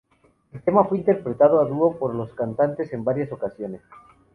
El tema fue interpretado a dúo por los cantantes en varias ocasiones.